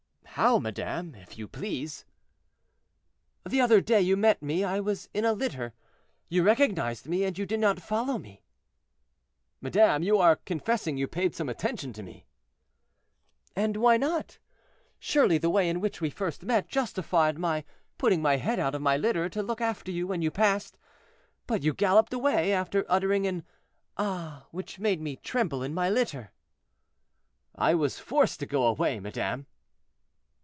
"How, madame, if you please?" "The other day you met me; I was in a litter, you recognized me, and you did not follow me." "Madame, you are confessing you paid some attention to me." "And why not? Surely the way in which we first met justified my putting my head out of my litter to look after you when you passed. But you galloped away, after uttering an 'Ah!' which made me tremble in my litter." "I was forced to go away, madame."